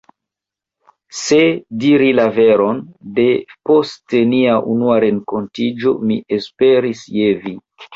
Se diri la veron, de post nia unua renkontiĝo mi esperis je vi!